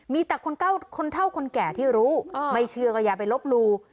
มีแต่คนเท่าคนแก่ที่รู้ไม่เชื่อก็อย่าไปลบลู